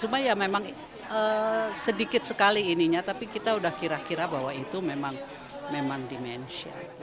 cuma ya memang sedikit sekali ininya tapi kita udah kira kira bahwa itu memang dimensi